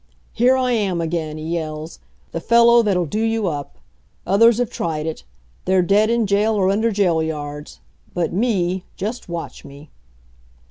'Here I am again,' he yells, 'the fellow that'll do you up. Others have tried it. They're dead in jail or under jail yards. But me just watch me!'